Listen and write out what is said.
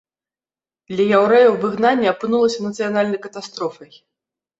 Для яўрэяў выгнанне апынулася нацыянальнай катастрофай.